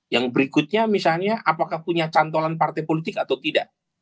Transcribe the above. yang berikutnya misalnya apakah punya cantolan partai politik atau tidak